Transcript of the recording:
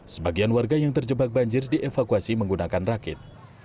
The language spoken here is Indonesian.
sebagian warga yang terjebak banjir dievakuasi menggunakan rakit